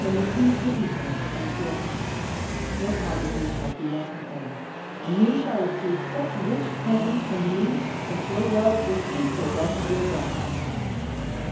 Then the King pitied him and said: 'Your poverty shall be at an end, and you shall receive such rich presents from me that your wealth will equal that of your Brother.'